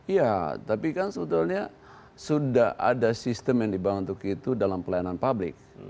ya tapi kan sebetulnya sudah ada sistem yang dibangun untuk itu dalam pelayanan publik